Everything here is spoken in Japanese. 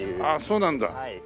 ああそうなんだ。